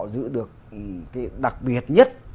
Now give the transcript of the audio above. giữ được cái đặc biệt nhất